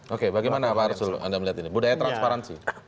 oke bagaimana pak arsul anda melihat ini budaya transparansi